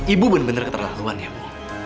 ibu benar benar keterlaluan ya bu